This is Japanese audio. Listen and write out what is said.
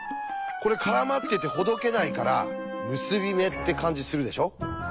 これ絡まっててほどけないから結び目って感じするでしょ？